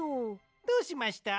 どうしました？